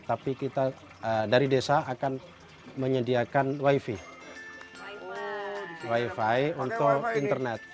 tapi kita dari desa akan menyediakan wifi untuk internet